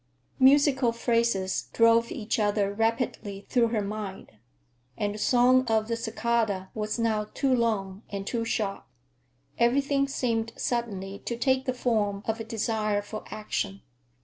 Musical phrases drove each other rapidly through her mind, and the song of the cicada was now too long and too sharp. Everything seemed suddenly to take the form of a desire for action.